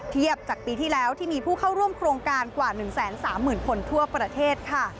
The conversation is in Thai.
เทียบจากปีที่แล้วที่มีผู้เข้าร่วมโครงการกว่า๑๓๐๐๐คนทั่วประเทศค่ะ